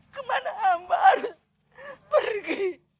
kemana hamba harus pergi